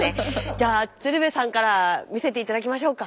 じゃあ鶴瓶さんから見せていただきましょうか。